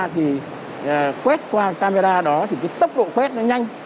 thì quét qua camera đó thì cái tốc độ quét nó nhanh